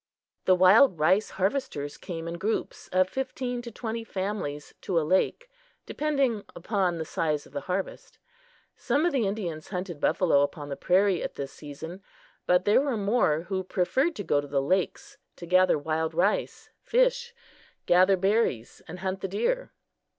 The wild rice harvesters came in groups of fifteen to twenty families to a lake, depending upon the size of the harvest. Some of the Indians hunted buffalo upon the prairie at this season, but there were more who preferred to go to the lakes to gather wild rice, fish, gather berries and hunt the deer.